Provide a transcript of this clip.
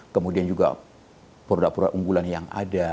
kemudian juga produk produk unggulan yang ada